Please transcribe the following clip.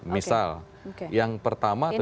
misal yang pertama tentu